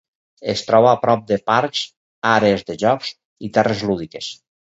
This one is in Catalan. Es troba a prop de parcs, àrees de jocs i terres lúdiques.